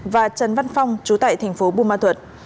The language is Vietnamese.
và trần văn phong chú tại tp bùn ma thuật